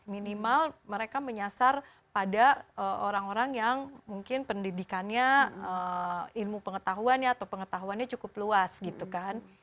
minimal mereka menyasar pada orang orang yang mungkin pendidikannya ilmu pengetahuannya atau pengetahuannya cukup luas gitu kan